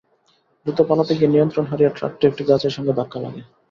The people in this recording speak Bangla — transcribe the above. দ্রুত পালাতে গিয়ে নিয়ন্ত্রণ হারিয়ে ট্রাকটি একটি গাছের সঙ্গে ধাক্কা লাগে।